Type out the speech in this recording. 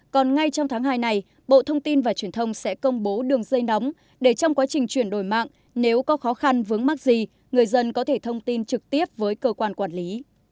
còn ngay trong tháng hai này bộ thông tin và truyền thông sẽ công bố đường dây nóng để trong quá trình chuyển đổi mạng nếu có khó khăn vướng mắc gì người dân có thể thông tin trực tiếp với cơ quan quản lý